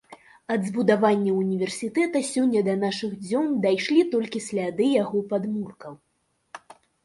Ад збудаванняў універсітэта сёння да нашых дзён дайшлі толькі сляды яго падмуркаў.